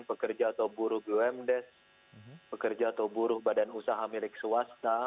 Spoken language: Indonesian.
pekerja atau buruh bumdes pekerja atau buruh badan usaha milik swasta